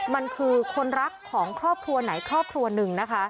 มันคือคนรักของครอบครัวไหนครอบครัวหนึ่งนะคะ